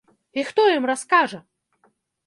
І хто ім раскажа?